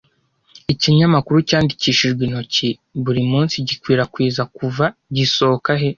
ikinyamakuru cyandikishijwe intoki buri munsi gikwirakwizwa kuva , gisohoka he